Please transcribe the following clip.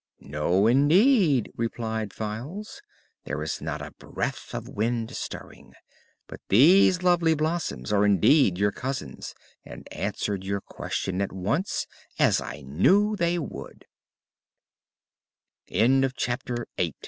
"No, indeed," replied Files. "There is not a breath of wind stirring. But these lovely blossoms are indeed your cousins and answered your question at once, as I knew they woul